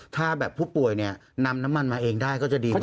ถ้าแบบผู้ป่วยเนี่ยนำน้ำมันมาเองได้ก็จะดีกว่า